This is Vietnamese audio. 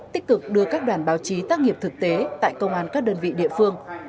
tích cực đưa các đoàn báo chí tác nghiệp thực tế tại công an các đơn vị địa phương